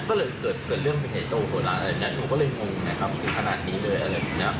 ก็เลยเกิดเรื่องไปในโตโหละอะไรแบบนี้ผมก็เลยงงนะครับถึงขนาดนี้เลยอะไรแบบนี้